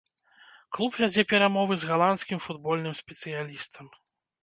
Клуб вядзе перамовы з галандскім футбольным спецыялістам.